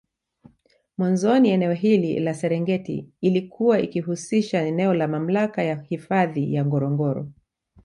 Mwanzoni eneo hili la Serengeti ilikuwa ikihusisha eneo la Mamlaka ya hifadhi ya Ngorongoro